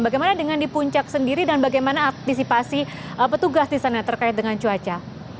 bagaimana dengan di puncak sendiri dan bagaimana antisipasi petugas di sana terkait dengan cuaca